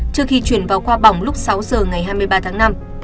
trước khi chuyển vào khoa bỏng lúc sáu giờ ngày hai mươi ba tháng năm